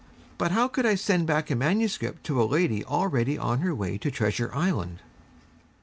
But how could I send back a manuscript to a lady already on her way to Treasure Island?